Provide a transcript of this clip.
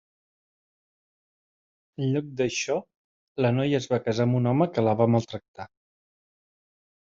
En lloc d'això, la noia es va casar amb un home que la va maltractar.